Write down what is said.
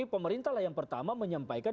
jadi pemerintah yang pertama menyampaikan